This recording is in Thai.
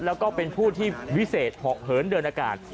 แล้วก็เป็นผู้ที่วิเศษเหาะเหินเดินอากาศ